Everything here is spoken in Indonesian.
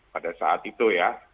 pada saat itu ya